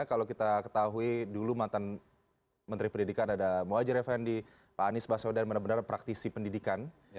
kalau kita ketahui dulu mantan menteri pendidikan ada muhajir effendi pak anies baswedan benar benar praktisi pendidikan